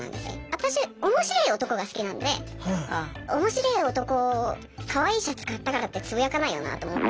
私おもしれー男が好きなんでおもしれー男かわいいシャツ買ったからってつぶやかないよなと思って。